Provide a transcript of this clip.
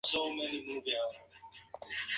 El tronco es irregular, no cilíndrico.